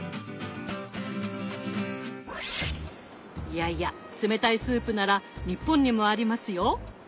いやいや冷たいスープなら日本にもありますよ。